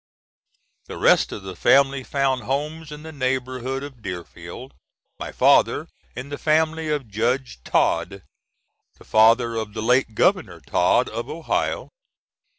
The rest of the family found homes in the neighborhood of Deerfield, my father in the family of judge Tod, the father of the late Governor Tod, of Ohio.